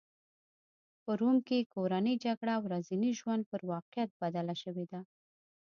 په روم کې کورنۍ جګړه ورځني ژوند پر واقعیت بدله شوې وه